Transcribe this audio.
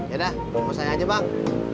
ya dah mau saya aja bang